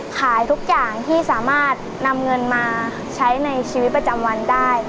ขายทุกอย่างที่สามารถนำเงินมาใช้ในชีวิตประจำวันได้